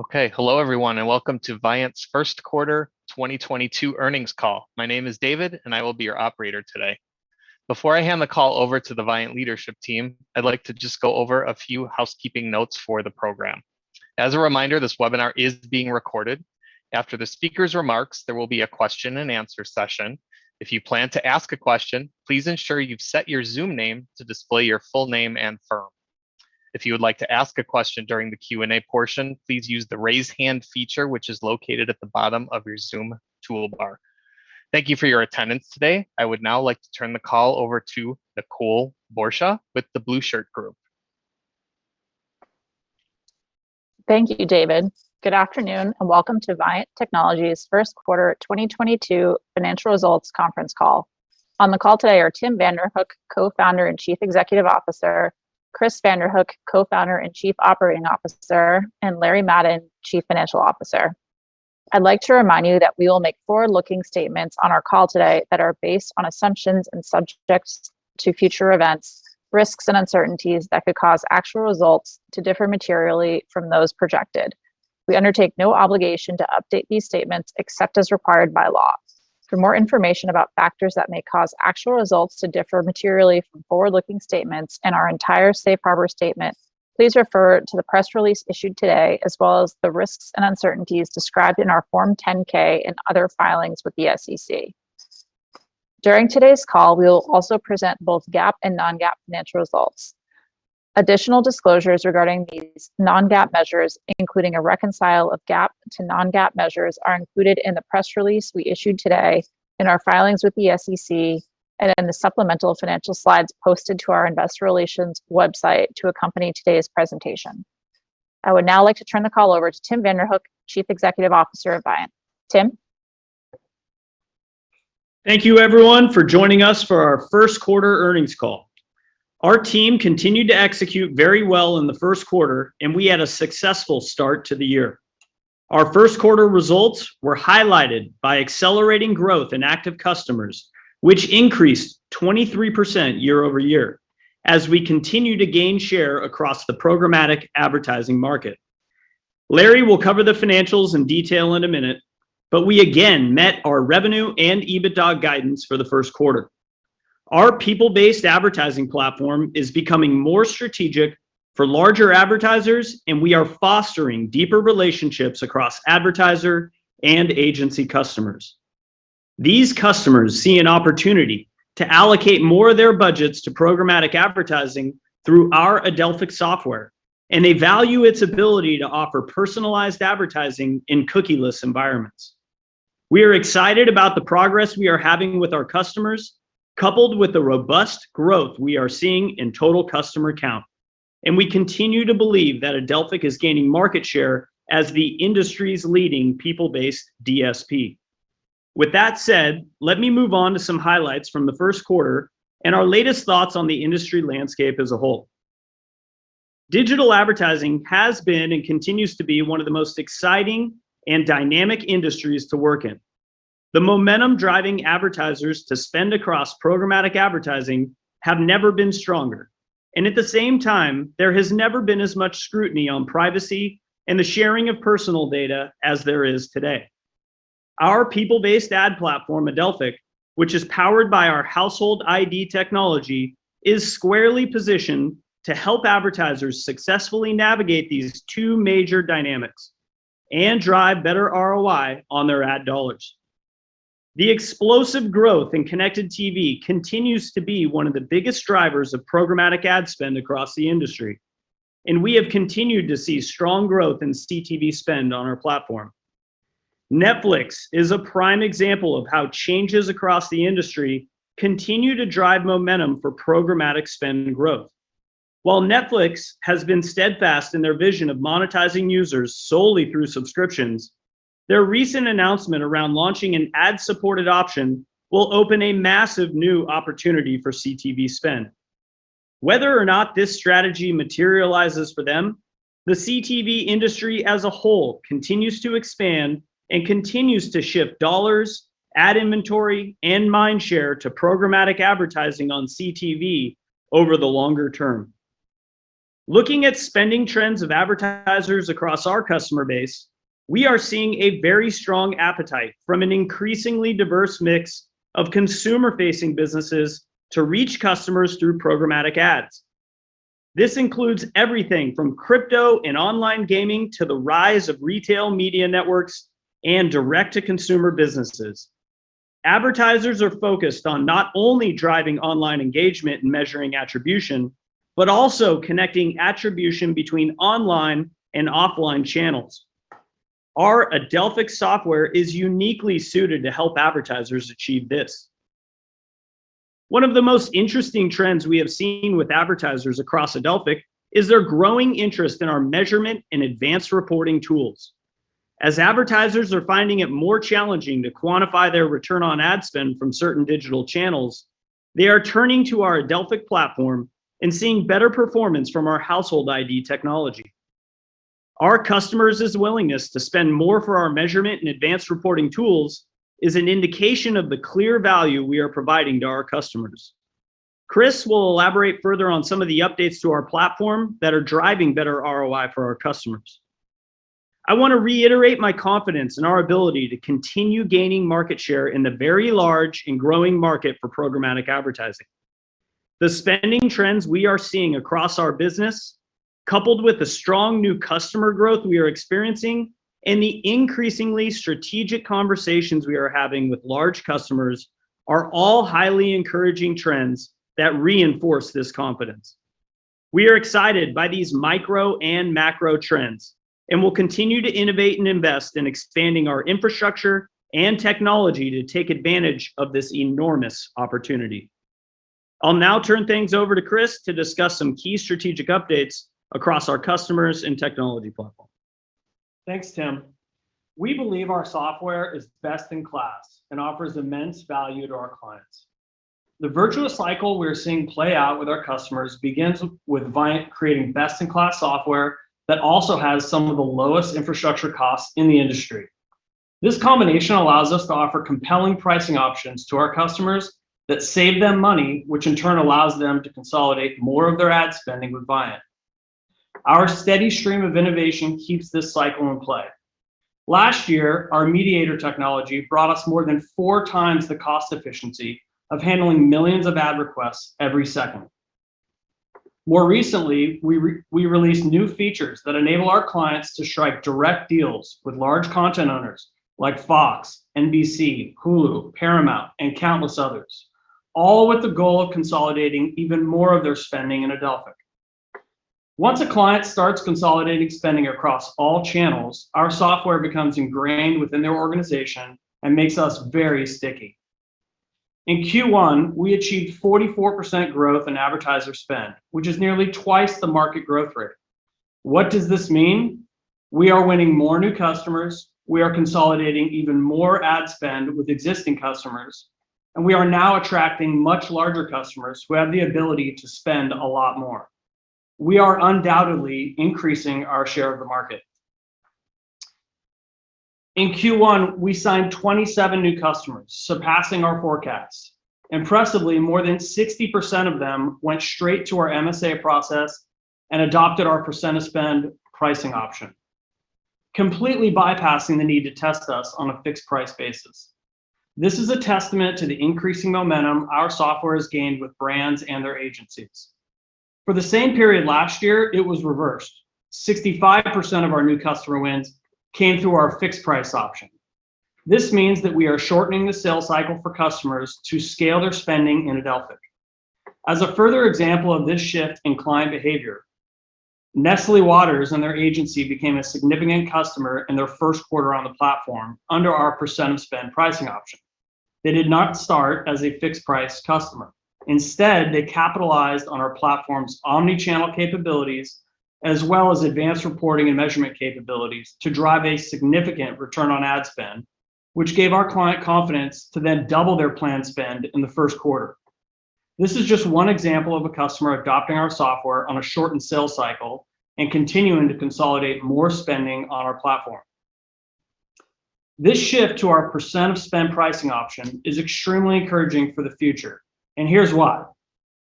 Okay. Hello everyone, and welcome to Viant's First Quarter 2022 Earnings Call. My name is David, and I will be your operator today. Before I hand the call over to the Viant leadership team, I'd like to just go over a few housekeeping notes for the program. As a reminder, this webinar is being recorded. After the speakers' remarks, there will be a question-and-answer session. If you plan to ask a question, please ensure you've set your Zoom name to display your full name and firm. If you would like to ask a question during the Q&A portion, please use the Raise Hand feature, which is located at the bottom of your Zoom toolbar. Thank you for your attendance today. I would now like to turn the call over to Nicole Borsje with The Blue Shirt Group. Thank you, David. Good afternoon, and welcome to Viant Technology's First Quarter 2022 Financial Results Conference Call. On the call today are Tim Vanderhook, Co-founder and Chief Executive Officer, Chris Vanderhook, Co-founder and Chief Operating Officer, and Larry Madden, Chief Financial Officer. I'd like to remind you that we will make forward-looking statements on our call today that are based on assumptions and subject to future events, risks, and uncertainties that could cause actual results to differ materially from those projected. We undertake no obligation to update these statements except as required by law. For more information about factors that may cause actual results to differ materially from forward-looking statements and our entire Safe Harbor statement, please refer to the press release issued today as well as the risks and uncertainties described in our Form 10-K and other filings with the SEC. During today's call, we will also present both GAAP and non-GAAP financial results. Additional disclosures regarding these non-GAAP measures, including a reconciliation of GAAP to non-GAAP measures, are included in the press release we issued today in our filings with the SEC and the supplemental financial slides posted to our investor relations website to accompany today's presentation. I would now like to turn the call over to Tim Vanderhook, Chief Executive Officer of Viant. Tim. Thank you everyone, for joining us for our First Quarter Earnings Call. Our team continued to execute very well in the first quarter, and we had a successful start to the year. Our first quarter results were highlighted by accelerating growth in active customers, which increased 23% year-over-year as we continue to gain share across the programmatic advertising market. Larry will cover the financials in detail in a minute, but we again met our revenue and EBITDA guidance for the first quarter. Our people-based advertising platform is becoming more strategic for larger advertisers, and we are fostering deeper relationships across advertiser and agency customers. These customers see an opportunity to allocate more of their budgets to programmatic advertising through our Adelphic software, and they value its ability to offer personalized advertising in cookieless environments. We are excited about the progress we are having with our customers, coupled with the robust growth we are seeing in total customer count, and we continue to believe that Adelphic is gaining market share as the industry's leading people-based DSP. With that said, let me move on to some highlights from the first quarter and our latest thoughts on the industry landscape as a whole. Digital advertising has been and continues to be one of the most exciting and dynamic industries to work in. The momentum driving advertisers to spend across programmatic advertising has never been stronger, and at the same time, there has never been as much scrutiny on privacy and the sharing of personal data as there is today. Our people-based ad platform, Adelphic, which is powered by our Household ID technology, is squarely positioned to help advertisers successfully navigate these two major dynamics and drive better ROI on their ad dollars. The explosive growth in connected TV continues to be one of the biggest drivers of programmatic ad spend across the industry, and we have continued to see strong growth in CTV spend on our platform. Netflix is a prime example of how changes across the industry continue to drive momentum for programmatic spend and growth. While Netflix has been steadfast in their vision of monetizing users solely through subscriptions, their recent announcement around launching an ad-supported option will open a massive new opportunity for CTV spend. Whether or not this strategy materializes for them, the CTV industry as a whole continues to expand and continues to shift dollars, ad inventory, and mind share to programmatic advertising on CTV over the longer term. Looking at spending trends of advertisers across our customer base, we are seeing a very strong appetite from an increasingly diverse mix of consumer-facing businesses to reach customers through programmatic ads. This includes everything from crypto and online gaming to the rise of retail media networks and direct-to-consumer businesses. Advertisers are focused on not only driving online engagement and measuring attribution, but also connecting attribution between online and offline channels. Our Adelphic software is uniquely suited to help advertisers achieve this. One of the most interesting trends we have seen with advertisers across Adelphic is their growing interest in our measurement and advanced reporting tools. As advertisers are finding it more challenging to quantify their return on ad spend from certain digital channels, they are turning to our Adelphic platform and seeing better performance from our Household ID technology. Our customers' willingness to spend more for our measurement and advanced reporting tools is an indication of the clear value we are providing to our customers. Chris will elaborate further on some of the updates to our platform that are driving better ROI for our customers. I wanna reiterate my confidence in our ability to continue gaining market share in the very large and growing market for programmatic advertising. The spending trends we are seeing across our business, coupled with the strong new customer growth we are experiencing and the increasingly strategic conversations we are having with large customers are all highly encouraging trends that reinforce this confidence. We are excited by these micro and macro trends, and will continue to innovate and invest in expanding our infrastructure and technology to take advantage of this enormous opportunity. I'll now turn things over to Chris to discuss some key strategic updates across our customers and technology platform. Thanks, Tim. We believe our software is best in class and offers immense value to our clients. The virtuous cycle we are seeing play out with our customers begins with Viant creating best in class software that also has some of the lowest infrastructure costs in the industry. This combination allows us to offer compelling pricing options to our customers that save them money, which in turn allows them to consolidate more of their ad spending with Viant. Our steady stream of innovation keeps this cycle in play. Last year, our mediator technology brought us more than 4x the cost efficiency of handling millions of ad requests every second. More recently, we released new features that enable our clients to strike direct deals with large content owners like Fox, NBC, Hulu, Paramount, and countless others, all with the goal of consolidating even more of their spending in Adelphic. Once a client starts consolidating spending across all channels, our software becomes ingrained within their organization and makes us very sticky. In Q1, we achieved 44% growth in advertiser spend, which is nearly 2x the market growth rate. What does this mean? We are winning more new customers, we are consolidating even more ad spend with existing customers, and we are now attracting much larger customers who have the ability to spend a lot more. We are undoubtedly increasing our share of the market. In Q1, we signed 27 new customers, surpassing our forecasts. Impressively, more than 60% of them went straight to our MSA process and adopted our percent of spend pricing option, completely bypassing the need to test us on a fixed price basis. This is a testament to the increasing momentum our software has gained with brands and their agencies. For the same period last year, it was reversed. 65% of our new customer wins came through our fixed price option. This means that we are shortening the sales cycle for customers to scale their spending in Adelphic. As a further example of this shift in client behavior, Nestlé Waters and their agency became a significant customer in their first quarter on the platform under our percent of spend pricing option. They did not start as a fixed price customer. Instead, they capitalized on our platform's omni-channel capabilities as well as advanced reporting and measurement capabilities to drive a significant return on ad spend, which gave our client confidence to then double their planned spend in the first quarter. This is just one example of a customer adopting our software on a shortened sales cycle and continuing to consolidate more spending on our platform. This shift to our percentage of spend pricing option is extremely encouraging for the future, and here's why.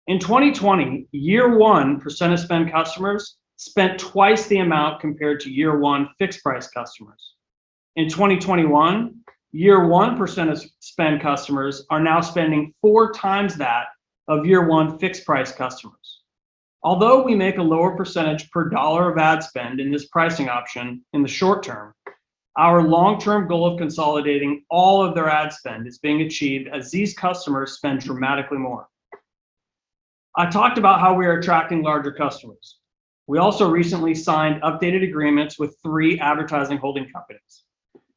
In 2020, year one percentage of spend customers spent twice the amount compared to year one fixed price customers. In 2021, year one percentage of spend customers are now spending four times that of year one fixed price customers. Although we make a lower percentage per dollar of ad spend in this pricing option in the short term, our long-term goal of consolidating all of their ad spend is being achieved as these customers spend dramatically more. I talked about how we are attracting larger customers. We also recently signed updated agreements with three advertising holding companies.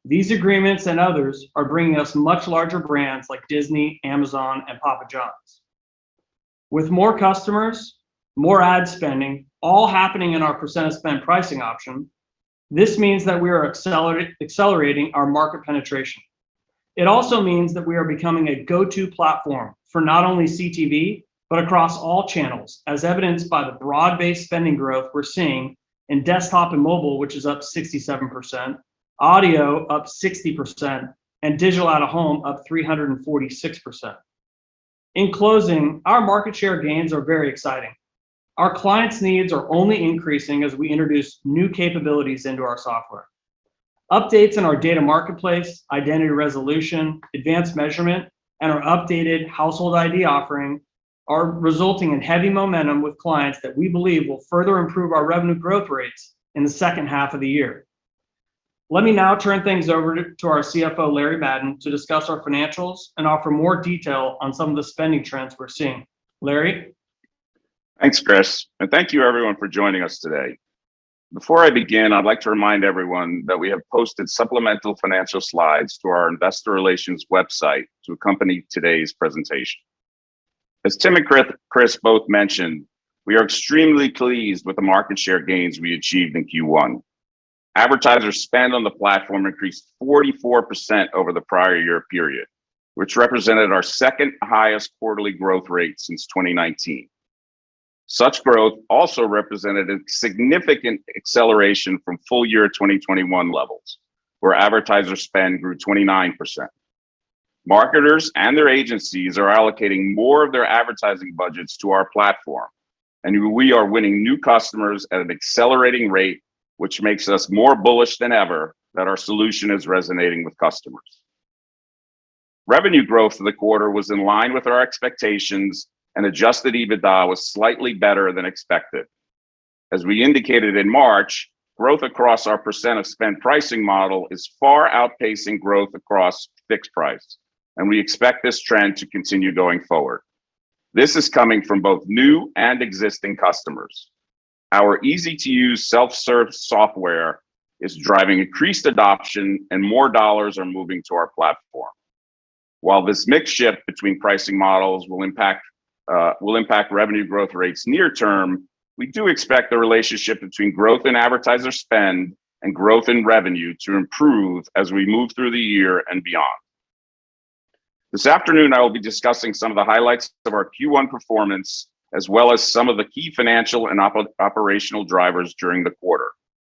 These agreements and others are bringing us much larger brands like Disney, Amazon, and Papa Johns. With more customers, more ad spending, all happening in our percent of spend pricing option, this means that we are accelerating our market penetration. It also means that we are becoming a go-to platform for not only CTV, but across all channels, as evidenced by the broad-based spending growth we're seeing in desktop and mobile, which is up 67%, audio up 60%, and digital out-of-home up 346%. In closing, our market share gains are very exciting. Our clients' needs are only increasing as we introduce new capabilities into our software. Updates in our data marketplace, identity resolution, advanced measurement, and our updated Household ID offering are resulting in heavy momentum with clients that we believe will further improve our revenue growth rates in the second half of the year. Let me now turn things over to our CFO, Larry Madden, to discuss our financials and offer more detail on some of the spending trends we're seeing. Larry? Thanks, Chris. Thank you everyone for joining us today. Before I begin, I'd like to remind everyone that we have posted supplemental financial slides to our investor relations website to accompany today's presentation. As Tim and Chris both mentioned, we are extremely pleased with the market share gains we achieved in Q1. Advertiser spend on the platform increased 44% over the prior-year period, which represented our second-highest quarterly growth rate since 2019. Such growth also represented a significant acceleration from full year 2021 levels, where advertiser spend grew 29%. Marketers and their agencies are allocating more of their advertising budgets to our platform, and we are winning new customers at an accelerating rate, which makes us more bullish than ever that our solution is resonating with customers. Revenue growth for the quarter was in line with our expectations, and adjusted EBITDA was slightly better than expected. As we indicated in March, growth across our percent of spend pricing model is far outpacing growth across fixed price, and we expect this trend to continue going forward. This is coming from both new and existing customers. Our easy-to-use self-serve software is driving increased adoption and more dollars are moving to our platform. While this mix shift between pricing models will impact revenue growth rates near term, we do expect the relationship between growth in advertiser spend and growth in revenue to improve as we move through the year and beyond. This afternoon, I will be discussing some of the highlights of our Q1 performance, as well as some of the key financial and operational drivers during the quarter.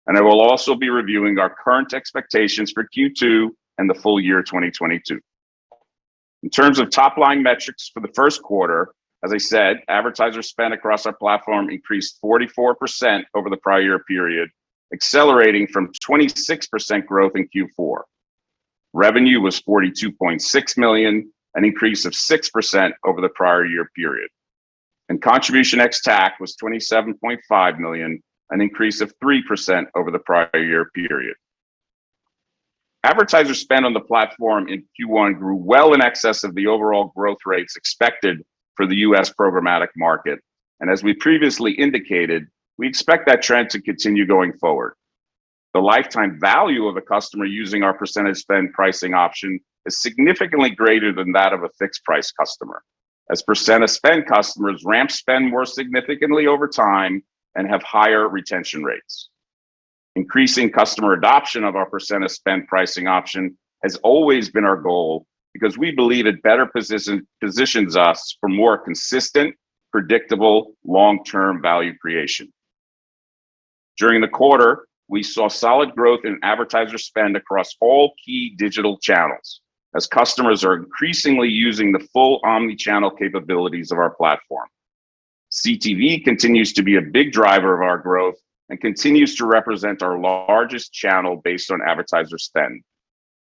I will also be reviewing our current expectations for Q2 and the full year 2022. In terms of top-line metrics for the first quarter, as I said, advertiser spend across our platform increased 44% over the prior-year period, accelerating from 26% growth in Q4. Revenue was $42.6 million, an increase of 6% over the prior-year period. Contribution ex-TAC was $27.5 million, an increase of 3% over the prior year period. Advertiser spend on the platform in Q1 grew well in excess of the overall growth rates expected for the U.S. programmatic market. As we previously indicated, we expect that trend to continue going forward. The lifetime value of a customer using our percentage spend pricing option is significantly greater than that of a fixed price customer, as percent of spend customers ramp spend more significantly over time and have higher retention rates. Increasing customer adoption of our percent of spend pricing option has always been our goal because we believe it better positions us for more consistent, predictable, long-term value creation. During the quarter, we saw solid growth in advertiser spend across all key digital channels as customers are increasingly using the full omni-channel capabilities of our platform. CTV continues to be a big driver of our growth and continues to represent our largest channel based on advertiser spend.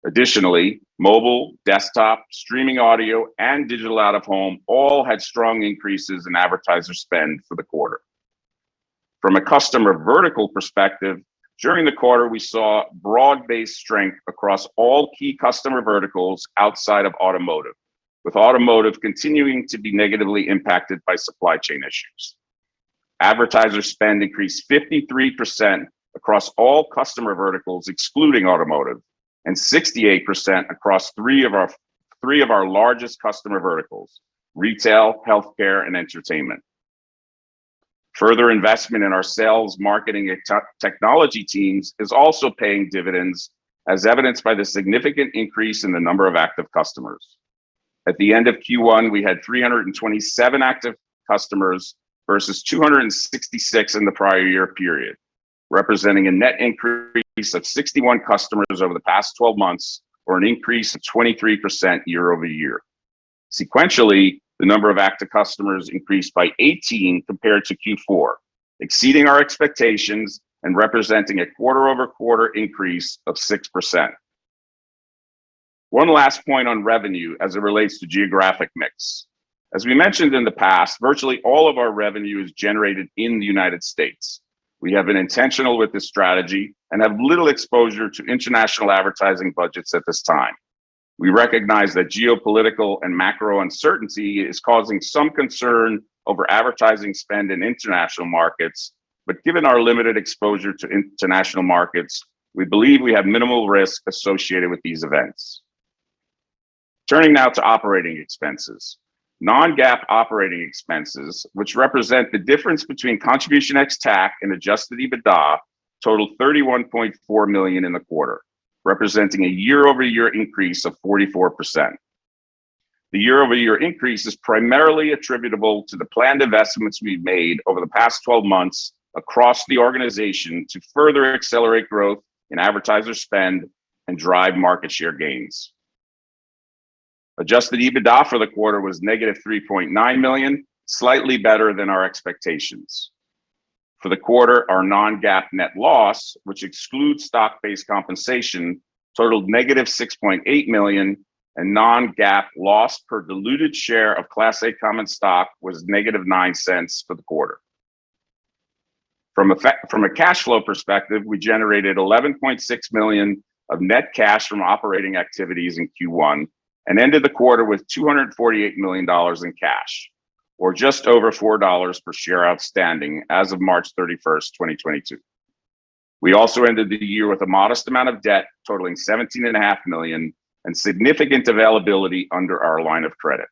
Additionally, mobile, desktop, streaming audio and digital out-of-home all had strong increases in advertiser spend for the quarter. From a customer vertical perspective, during the quarter, we saw broad-based strength across all key customer verticals outside of automotive, with automotive continuing to be negatively impacted by supply chain issues. Advertiser spend increased 53% across all customer verticals excluding automotive and 68% across three of our largest customer verticals, retail, healthcare and entertainment. Further investment in our sales, marketing and tech, technology teams is also paying dividends, as evidenced by the significant increase in the number of active customers. At the end of Q1, we had 327 active customers versus 266 in the prior-year period, representing a net increase of 61 customers over the past 12 months or an increase of 23% year-over-year. Sequentially, the number of active customers increased by 18 compared to Q4, exceeding our expectations and representing a quarter-over-quarter increase of 6%. One last point on revenue as it relates to geographic mix. As we mentioned in the past, virtually all of our revenue is generated in the United States. We have been intentional with this strategy and have little exposure to international advertising budgets at this time. We recognize that geopolitical and macro uncertainty is causing some concern over advertising spend in international markets, but given our limited exposure to international markets, we believe we have minimal risk associated with these events. Turning now to operating expenses. Non-GAAP operating expenses, which represent the difference between contribution ex-TAC and adjusted EBITDA, totaled $31.4 million in the quarter, representing a year-over-year increase of 44%. The year-over-year increase is primarily attributable to the planned investments we've made over the past 12 months across the organization to further accelerate growth in advertiser spend and drive market share gains. Adjusted EBITDA for the quarter was -$3.9 million, slightly better than our expectations. For the quarter, our non-GAAP net loss, which excludes stock-based compensation, totaled -$6.8 million, and non-GAAP loss per diluted share of Class A common stock was -$0.09 for the quarter. From a cash flow perspective, we generated $11.6 million of net cash from operating activities in Q1 and ended the quarter with $248 million in cash or just over $4 per share outstanding as of March 31st, 2022. We also ended the year with a modest amount of debt totaling $17.5 million and significant availability under our line of credit.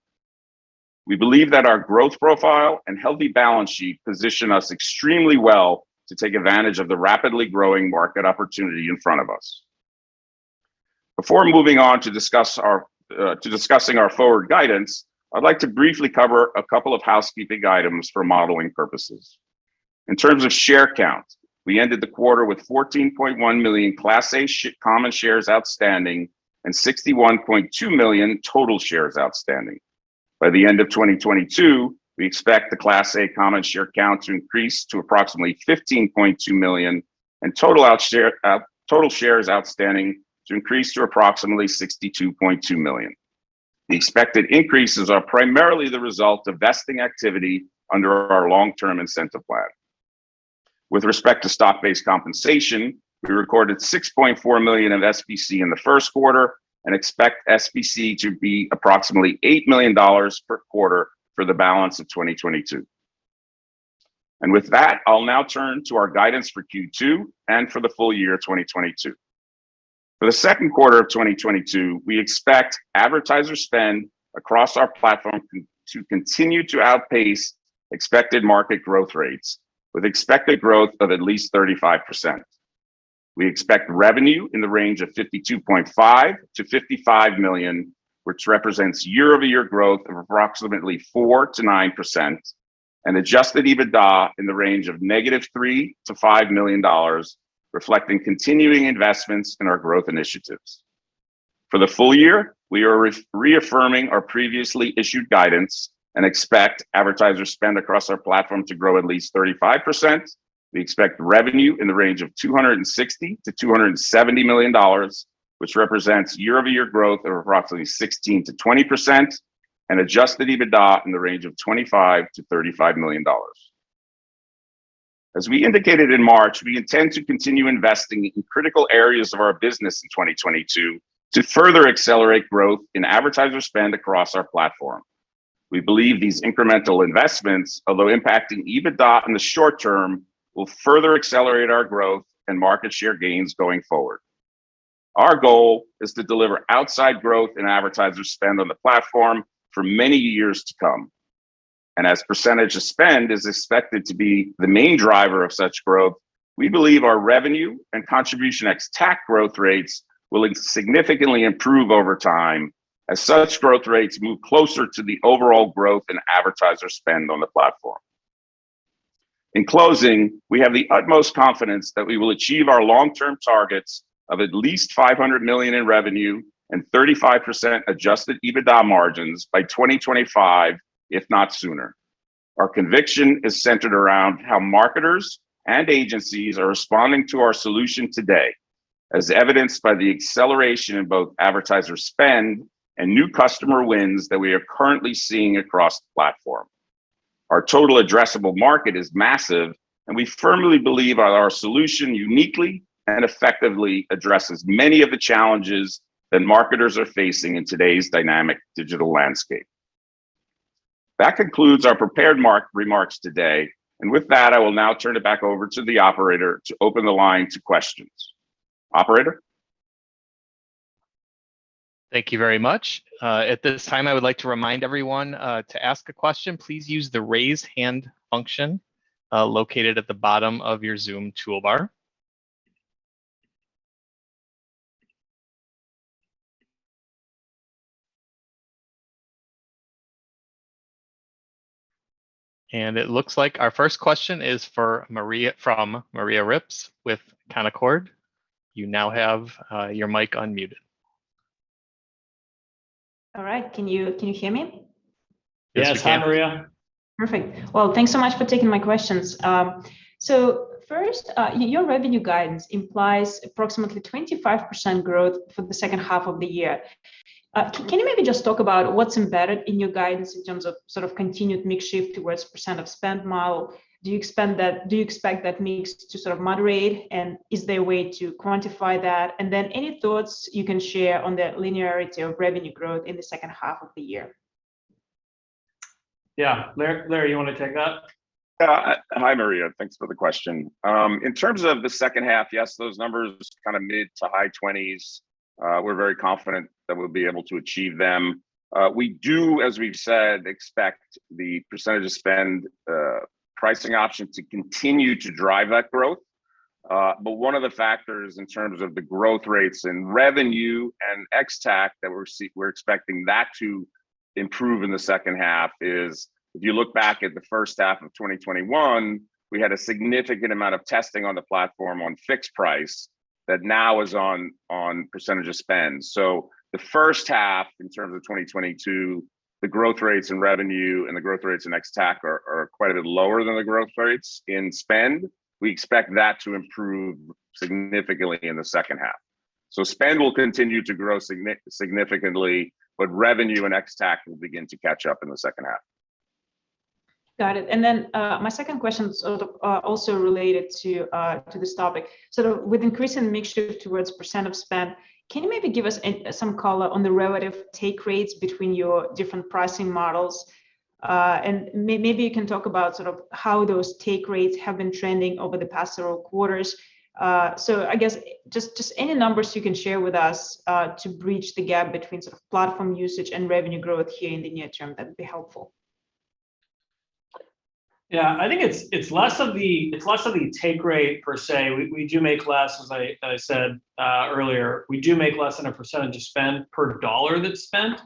We believe that our growth profile and healthy balance sheet position us extremely well to take advantage of the rapidly growing market opportunity in front of us. Before moving on to discussing our forward guidance, I'd like to briefly cover a couple of housekeeping items for modeling purposes. In terms of share count, we ended the quarter with 14.1 million Class A common shares outstanding and 61.2 million total shares outstanding. By the end of 2022, we expect the Class A common share count to increase to approximately 15.2 million and total outstanding total shares outstanding to increase to approximately 62.2 million. The expected increases are primarily the result of vesting activity under our long-term incentive plan. With respect to stock-based compensation, we recorded 6.4 million of SBC in the first quarter and expect SBC to be approximately $8 million per quarter for the balance of 2022. With that, I'll now turn to our guidance for Q2 and for the full year 2022. For the second quarter of 2022, we expect advertiser spend across our platform to continue to outpace expected market growth rates with expected growth of at least 35%. We expect revenue in the range of $52.5 million-$55 million, which represents year-over-year growth of approximately 4%-9% and adjusted EBITDA in the range of -$3 million to $5 million, reflecting continuing investments in our growth initiatives. For the full year, we are reaffirming our previously issued guidance and expect advertiser spend across our platform to grow at least 35%. We expect revenue in the range of $260 million-$270 million, which represents year-over-year growth of approximately 16%-20% and adjusted EBITDA in the range of $25 million-$35 million. As we indicated in March, we intend to continue investing in critical areas of our business in 2022 to further accelerate growth in advertiser spend across our platform. We believe these incremental investments, although impacting EBITDA in the short term, will further accelerate our growth and market share gains going forward. Our goal is to deliver outsized growth in advertiser spend on the platform for many years to come. As a percentage of spend is expected to be the main driver of such growth, we believe our revenue and contribution ex-TAC growth rates will significantly improve over time as such growth rates move closer to the overall growth in advertiser spend on the platform. In closing, we have the utmost confidence that we will achieve our long-term targets of at least $500 million in revenue and 35% adjusted EBITDA margins by 2025, if not sooner. Our conviction is centered around how marketers and agencies are responding to our solution today, as evidenced by the acceleration in both advertiser spend and new customer wins that we are currently seeing across the platform. Our total addressable market is massive, and we firmly believe our solution uniquely and effectively addresses many of the challenges that marketers are facing in today's dynamic digital landscape. That concludes our prepared remarks today, and with that, I will now turn it back over to the operator to open the line to questions. Operator? Thank you very much. At this time, I would like to remind everyone to ask a question, please use the Raise Hand function located at the bottom of your Zoom toolbar. It looks like our first question is for Maria, from Maria Ripps with Canaccord Genuity. You now have your mic unmuted. All right. Can you hear me? Yes, we can. Yes, hi, Maria. Perfect. Well, thanks so much for taking my questions. First, your revenue guidance implies approximately 25% growth for the second half of the year. Can you maybe just talk about what's embedded in your guidance in terms of sort of continued mix shift towards percent of spend model? Do you expect that mix to sort of moderate, and is there a way to quantify that? Any thoughts you can share on the linearity of revenue growth in the second half of the year? Yeah. Larry, you wanna take that? Hi, Maria. Thanks for the question. In terms of the second half, yes, those numbers kind of mid-to-high 20%s, we're very confident that we'll be able to achieve them. We do, as we've said, expect the percentage of spend pricing option to continue to drive that growth. One of the factors in terms of the growth rates and revenue and ex-TAC that we're expecting that to improve in the second half is if you look back at the first half of 2021, we had a significant amount of testing on the platform on fixed price that now is on percentage of spend. The first half in terms of 2022, the growth rates in revenue and the growth rates in ex-TAC are quite a bit lower than the growth rates in spend. We expect that to improve significantly in the second half. Spend will continue to grow significantly, but revenue and ex-TAC will begin to catch up in the second half. Got it. My second question's sort of also related to this topic. Sort of with increasing mix shift towards percentage of spend, can you maybe give us some color on the relative take rates between your different pricing models? Maybe you can talk about sort of how those take rates have been trending over the past several quarters. I guess just any numbers you can share with us to bridge the gap between sort of platform usage and revenue growth here in the near term, that'd be helpful. Yeah, I think it's less of the take rate per se. We do make less, as I said earlier. We do make less on a percentage of spend per dollar that's spent,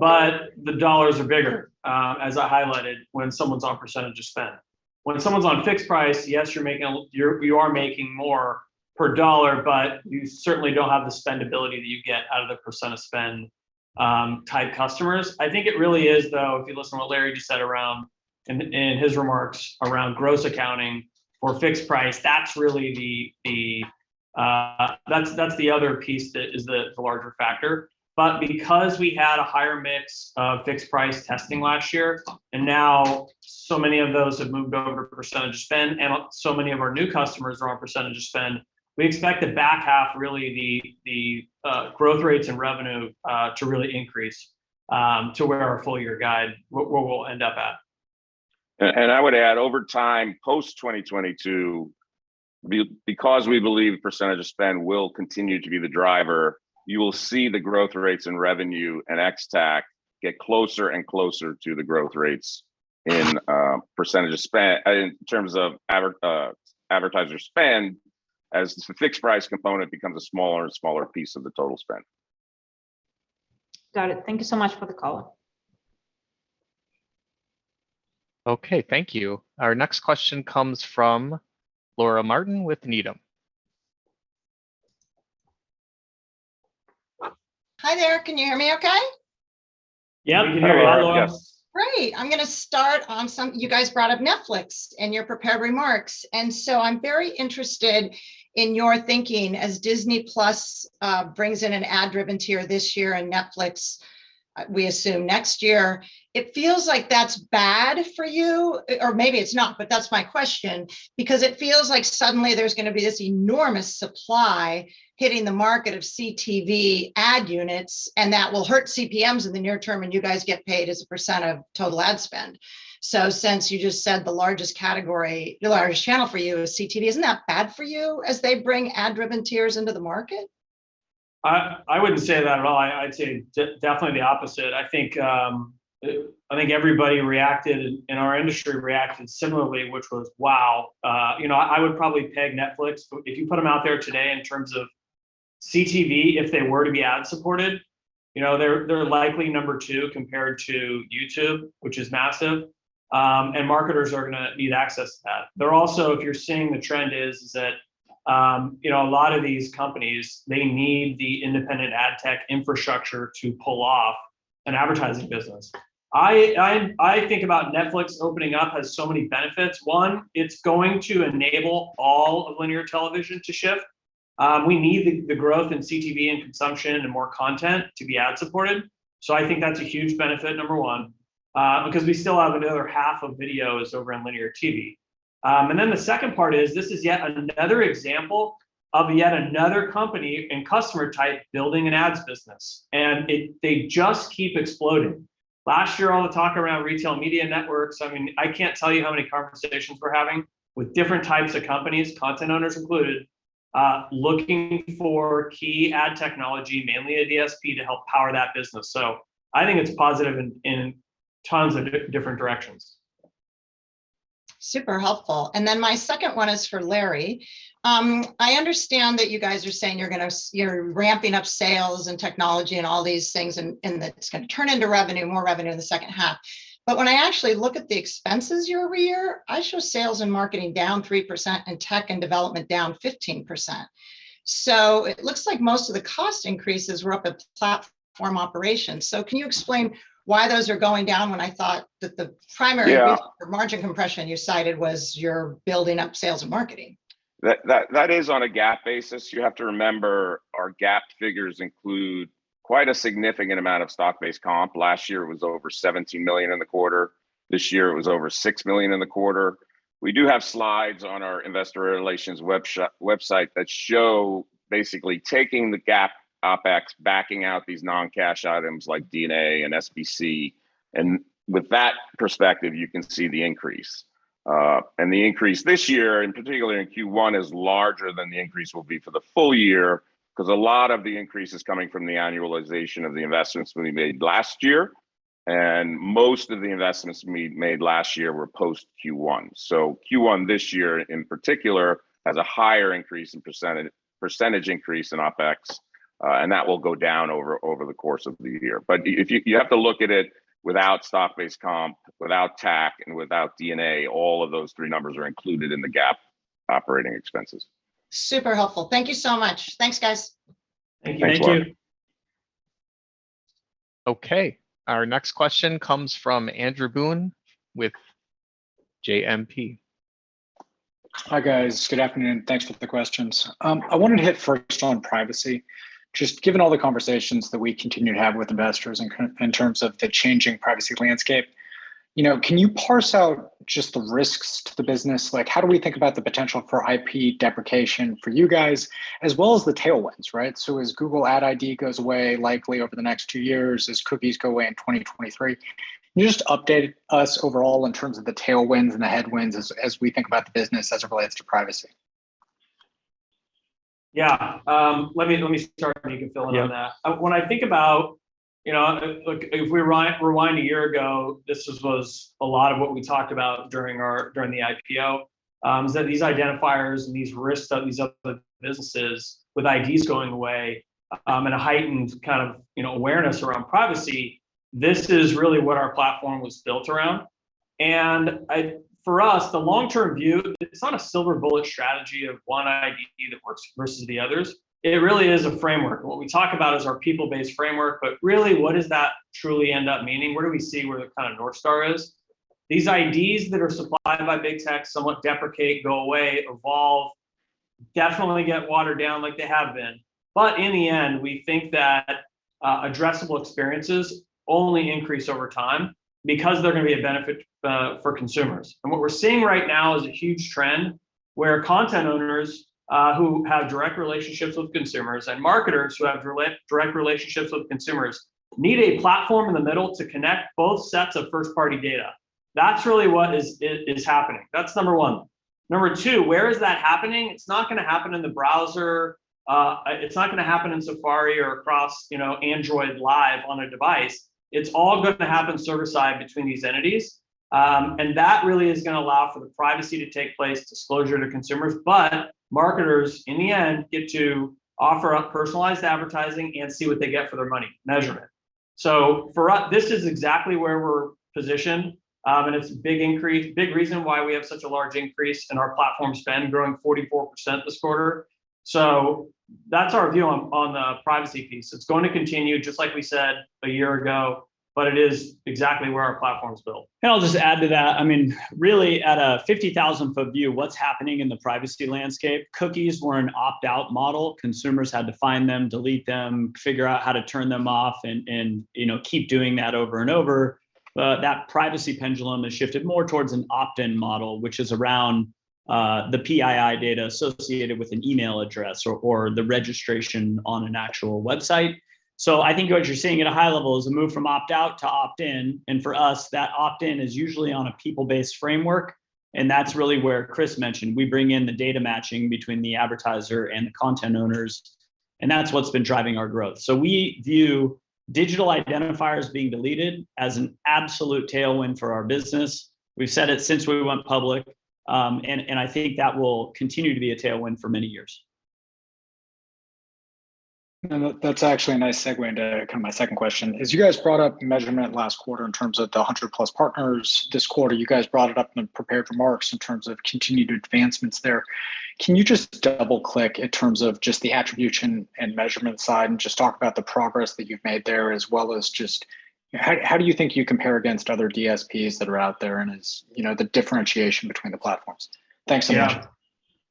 but the dollars are bigger, as I highlighted, when someone's on percentage of spend. When someone's on fixed price, yes, you are making more per dollar, but you certainly don't have the scalability that you get out of the percentage spend type customers. I think it really is, though, if you listen to what Larry just said around, and his remarks around gross accounting for fixed price, that's really the other piece that is the larger factor. But, because we had a higher mix of fixed price testing last year, and now so many of those have moved over to percentage of spend and so many of our new customers are on percentage of spend, we expect the back half really the growth rates and revenue to really increase to where our full year guide where we'll end up at. I would add over time, post 2022 because we believe percentage of spend will continue to be the driver. You will see the growth rates in revenue and ex-TAC get closer and closer to the growth rates in percentage of spend in terms of advertiser spend as the fixed price component becomes a smaller and smaller piece of the total spend. Got it. Thank you so much for the call. Okay, thank you. Our next question comes from Laura Martin with Needham. Hi there. Can you hear me okay? Yeah. We can hear you, Laura. Yes. Great. I'm gonna start. You guys brought up Netflix in your prepared remarks, and so I'm very interested in your thinking as Disney+ brings in an ad-driven tier this year and Netflix, we assume, next year. It feels like that's bad for you, or maybe it's not, but that's my question. Because it feels like suddenly there's gonna be this enormous supply hitting the market of CTV ad units, and that will hurt CPMs in the near term, and you guys get paid as a percentage of total ad spend. Since you just said the largest category, the largest channel for you is CTV, isn't that bad for you as they bring ad-driven tiers into the market? I wouldn't say that at all. I'd say definitely the opposite. I think everybody reacted in our industry reacted similarly, which was, "Wow." You know, I would probably peg Netflix, if you put them out there today in terms of CTV if they were to be ad supported, you know, they're likely number two compared to YouTube, which is massive. And marketers are gonna need access to that. They're also, if you're seeing the trend is that, you know, a lot of these companies, they need the independent ad tech infrastructure to pull off an advertising business. I think about Netflix opening up has so many benefits. One, it's going to enable all of linear television to shift. We need the growth in CTV and consumption and more content to be ad supported. I think that's a huge benefit, number one, because we still have another half of video is over on linear TV. The second part is this is yet another example of yet another company and customer type building an ads business. They just keep exploding. Last year, all the talk around retail media networks, I mean, I can't tell you how many conversations we're having with different types of companies, content owners included, looking for key ad technology, mainly a DSP, to help power that business. I think it's positive in tons of different directions. Super helpful. My second one is for Larry. I understand that you guys are saying you're ramping up sales and technology and all these things and it's gonna turn into revenue, more revenue in the second half. When I actually look at the expenses year-over-year, I show sales and marketing down 3% and tech and development down 15%. It looks like most of the cost increases were up at platform operations. Can you explain why those are going down when I thought that the primary- Yeah reason for margin compression you cited was your building up sales and marketing? That is on a GAAP basis. You have to remember our GAAP figures include quite a significant amount of stock-based comp. Last year it was over $17 million in the quarter. This year it was over $6 million in the quarter. We do have slides on our investor relations website that show basically taking the GAAP OpEx, backing out these non-cash items like D&A and SBC, and with that perspective, you can see the increase. The increase this year, in particular in Q1, is larger than the increase will be for the full year, 'cause a lot of the increase is coming from the annualization of the investments we made last year, and most of the investments we made last year were post Q1. Q1 this year in particular has a higher increase in percentage increase in OpEx, and that will go down over the course of the year. If you have to look at it without stock-based comp, without TAC, and without D&A. All of those three numbers are included in the GAAP operating expenses. Super helpful. Thank you so much. Thanks, guys. Thank you. Thanks, Laura. Okay. Our next question comes from Andrew Boone with JMP. Hi, guys. Good afternoon. Thanks for the questions. I wanted to hit first on privacy. Just given all the conversations that we continue to have with investors in terms of the changing privacy landscape, you know, can you parse out just the risks to the business? Like, how do we think about the potential for ID deprecation for you guys, as well as the tailwinds, right? As Google Ad ID goes away likely over the next two years, as cookies go away in 2023, can you just update us overall in terms of the tailwinds and the headwinds as we think about the business as it relates to privacy? Yeah. Let me start and you can fill in on that. Yeah. When I think about, you know, like if we rewind a year ago, this was a lot of what we talked about during the IPO, is that these identifiers and these risks of these other businesses with IDs going away, and a heightened kind of, you know, awareness around privacy, this is really what our platform was built around. For us, the long-term view, it's not a silver bullet strategy of one ID that works versus the others. It really is a framework. What we talk about is our people-based framework, but really what does that truly end up meaning? Where do we see the kind of north star is? These IDs that are supplied by big tech somewhat deprecate, go away, evolve, definitely get watered down like they have been. In the end, we think that, addressable experiences only increase over time because they're gonna be a benefit, for consumers. What we're seeing right now is a huge trend where content owners, who have direct relationships with consumers and marketers who have direct relationships with consumers need a platform in the middle to connect both sets of first-party data. That's really what is happening. That's number one. Number two, where is that happening? It's not gonna happen in the browser. It's not gonna happen in Safari or across, you know, Android live on a device. It's all gonna happen server side between these entities. That really is gonna allow for the privacy to take place, disclosure to consumers. Marketers, in the end, get to offer up personalized advertising and see what they get for their money, measurement. For us, this is exactly where we're positioned, and it's a big increase, big reason why we have such a large increase in our platform spend growing 44% this quarter. That's our view on the privacy piece. It's going to continue just like we said a year ago, but it is exactly where our platform is built. I'll just add to that. I mean, really at a 50,000 ft view, what's happening in the privacy landscape. Cookies were an opt-out model. Consumers had to find them, delete them, figure out how to turn them off and, you know, keep doing that over and over. That privacy pendulum has shifted more towards an opt-in model, which is around the PII data associated with an email address or the registration on an actual website. I think what you're seeing at a high level is a move from opt-out to opt-in, and for us, that opt-in is usually on a people-based framework, and that's really where Chris mentioned we bring in the data matching between the advertiser and the content owners, and that's what's been driving our growth. We view digital identifiers being deleted as an absolute tailwind for our business. We've said it since we went public, and I think that will continue to be a tailwind for many years. That's actually a nice segue into kinda my second question, which is you guys brought up measurement last quarter in terms of the 100+ partners. This quarter, you guys brought it up in the prepared remarks in terms of continued advancements there. Can you just double-click in terms of just the attribution and measurement side and just talk about the progress that you've made there as well as just how do you think you compare against other DSPs that are out there, and is, you know, the differentiation between the platforms? Thanks so much.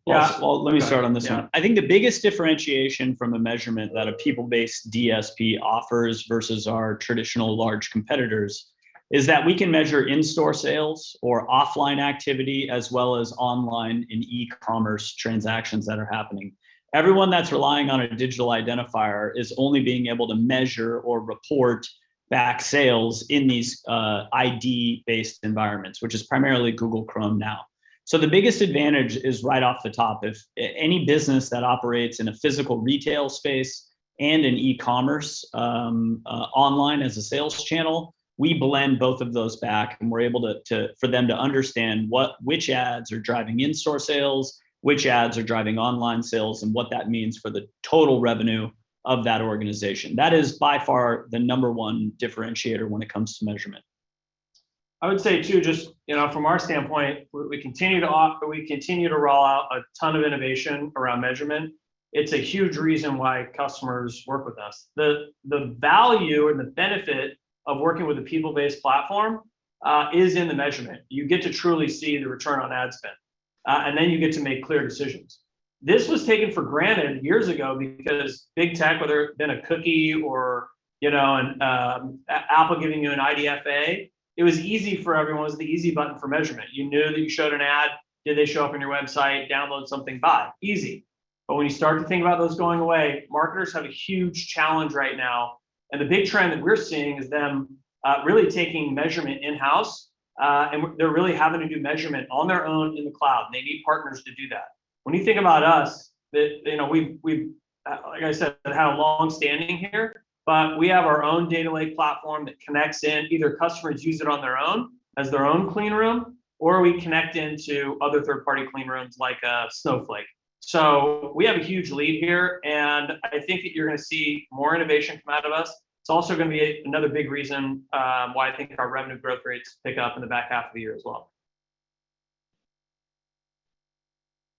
Yeah. Yeah. Well, let me start on this one. Yeah. I think the biggest differentiation from a measurement that a people-based DSP offers versus our traditional large competitors is that we can measure in-store sales or offline activity as well as online and e-commerce transactions that are happening. Everyone that's relying on a digital identifier is only being able to measure or report back sales in these, ID-based environments, which is primarily Google Chrome now. The biggest advantage is right off the top. If any business that operates in a physical retail space and in e-commerce, online as a sales channel, we blend both of those back, and we're able to, for them to understand what, which ads are driving in-store sales, which ads are driving online sales, and what that means for the total revenue of that organization. That is by far the number one differentiator when it comes to measurement. I would say, too, just, from our standpoint, we continue to roll out a ton of innovation around measurement. It's a huge reason why customers work with us. The value and the benefit of working with a people-based platform is in the measurement. You get to truly see the return on ad spend, and then you get to make clear decisions. This was taken for granted years ago because big tech, whether it had been a cookie or Apple giving you an IDFA, it was easy for everyone. It was the easy button for measurement. You knew that you showed an ad. Did they show up on your website, download something, buy? Easy. When you start to think about those going away, marketers have a huge challenge right now, and the big trend that we're seeing is them really taking measurement in-house. They're really having to do measurement on their own in the cloud, and they need partners to do that. When you think about us, you know, we've like I said have long-standing here, but we have our own data lake platform that connects in. Either customers use it on their own as their own clean room, or we connect into other third-party clean rooms like Snowflake. So we have a huge lead here, and I think that you're gonna see more innovation come out of us. It's also gonna be another big reason why I think our revenue growth rates pick up in the back half of the year as well.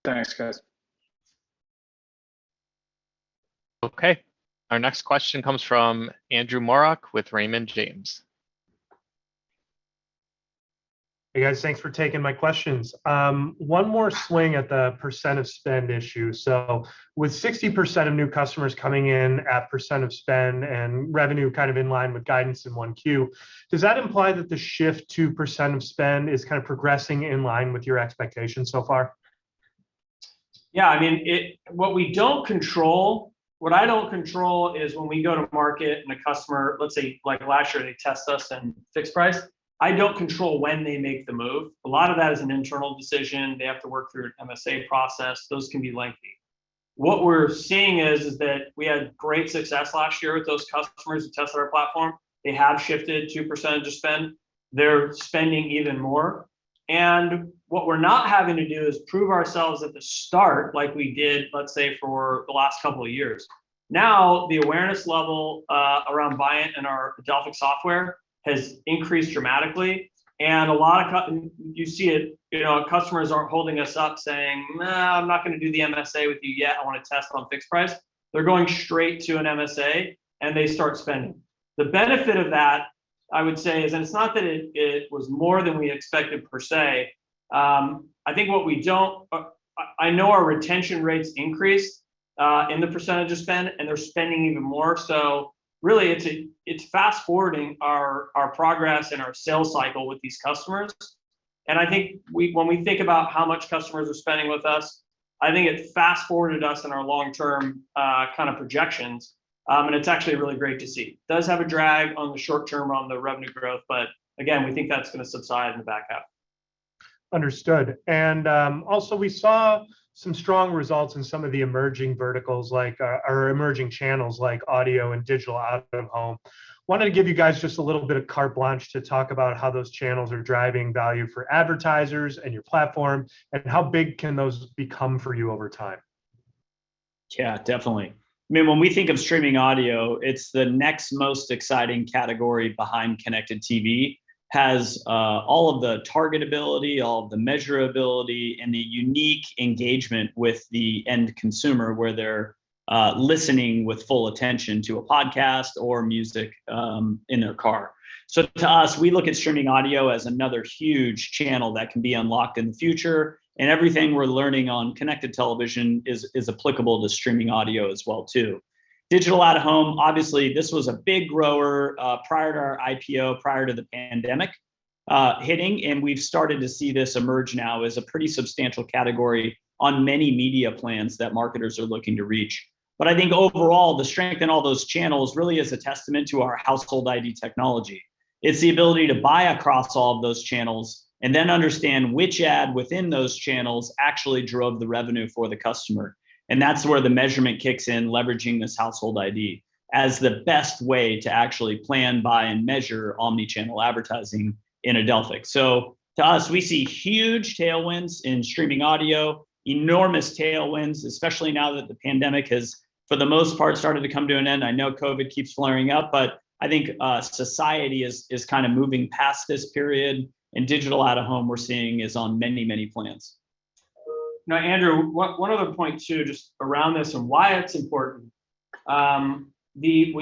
Thanks, guys. Okay. Our next question comes from Andrew Marok with Raymond James. Hey, guys. Thanks for taking my questions. One more swing at the percent of spend issue. With 60% of new customers coming in at percentage of spend and revenue kind of in line with guidance in 1Q, does that imply that the shift to percentage of spend is kind of progressing in line with your expectations so far? Yeah. I mean, what I don't control is when we go to market and a customer, let's say, like last year, they test us in fixed price. I don't control when they make the move. A lot of that is an internal decision. They have to work through an MSA process. Those can be lengthy. What we're seeing is that we had great success last year with those customers who tested our platform. They have shifted 2% of spend. They're spending even more. What we're not having to do is prove ourselves at the start, like we did, let's say, for the last couple of years. Now, the awareness level around Viant and our Adelphic software has increased dramatically, and you see it, you know, customers aren't holding us up saying, "Nah, I'm not gonna do the MSA with you yet. I wanna test on fixed price." They're going straight to an MSA and they start spending. The benefit of that, I would say, is, and it's not that it was more than we expected per se, I think. But I know our retention rates increased in the percentage of spend, and they're spending even more. So really, it's fast-forwarding our progress and our sales cycle with these customers. I think when we think about how much customers are spending with us, I think it fast-forwarded us in our long-term kind of projections. It's actually really great to see. It does have a drag on the short-term on the revenue growth, but again, we think that's gonna subside in the back half. Understood. Also we saw some strong results in some of the emerging channels like audio and digital out-of-home. Wanted to give you guys just a little bit of carte blanche to talk about how those channels are driving value for advertisers and your platform, and how big can those become for you over time? Yeah, definitely. I mean, when we think of streaming audio, it's the next most exciting category behind Connected TV. Has all of the targetability, all of the measurability, and the unique engagement with the end consumer where they're listening with full attention to a podcast or music in their car. To us, we look at streaming audio as another huge channel that can be unlocked in the future, and everything we're learning on connected television is applicable to streaming audio as well too. Digital out-of-home, obviously this was a big grower prior to our IPO, prior to the pandemic hitting, and we've started to see this emerge now as a pretty substantial category on many media plans that marketers are looking to reach. I think overall, the strength in all those channels really is a testament to our Household ID technology. It's the ability to buy across all of those channels and then understand which ad within those channels actually drove the revenue for the customer. That's where the measurement kicks in, leveraging this Household ID as the best way to actually plan, buy, and measure omni-channel advertising in Adelphic. To us, we see huge tailwinds in streaming audio, enormous tailwinds, especially now that the pandemic has, for the most part, started to come to an end. I know COVID keeps flaring up, but I think society is kind of moving past this period, and digital out-of-home we're seeing is on many, many plans. Now, Andrew, one other point too, just around this and why it's important. When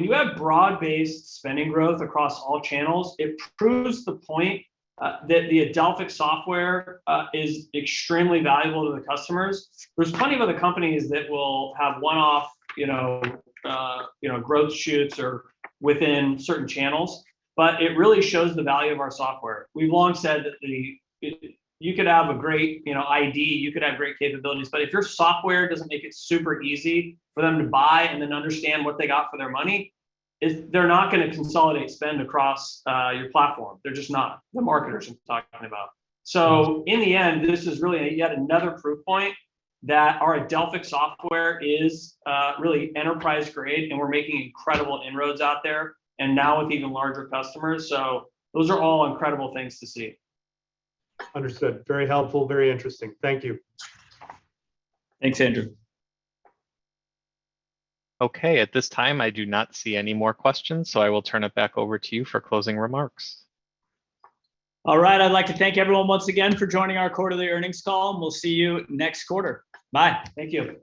you have broad-based spending growth across all channels, it proves the point that the Adelphic software is extremely valuable to the customers. There's plenty of other companies that will have one-off, you know, you know, growth spurts or within certain channels, but it really shows the value of our software. We've long said that you could have a great, you know, ID, you could have great capabilities, but if your software doesn't make it super easy for them to buy and then understand what they got for their money, it's, they're not gonna consolidate spend across, your platform. They're just not. The marketers we've talked to about. In the end, this is really yet another proof point that our Adelphic software is, really enterprise-grade, and we're making incredible inroads out there, and now with even larger customers. Those are all incredible things to see. Understood. Very helpful. Very interesting. Thank you. Thanks, Andrew. Okay. At this time, I do not see any more questions, so I will turn it back over to you for closing remarks. All right. I'd like to thank everyone once again for joining our quarterly earnings call, and we'll see you next quarter. Bye. Thank you.